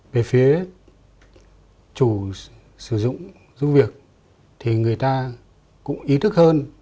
về phía chủ sử dụng giúp việc thì người ta cũng ý thức hơn